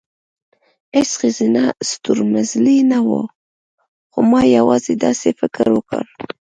هېڅ ښځینه ستورمزلې نه وه، خو ما یوازې داسې فکر وکړ،